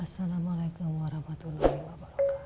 assalamualaikum warahmatullahi wabarakatuh